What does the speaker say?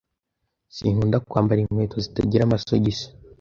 Sinkunda kwambara inkweto zitagira amasogisi.